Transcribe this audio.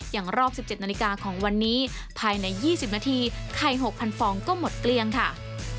อย่างรอบ๑๗นาฬิกาของวันนี้ภายใน๒๐นาทีไข่๖๐๐ฟองก็หมดเกลี้ยงค่ะ